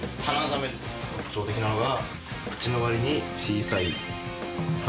特徴的なのが。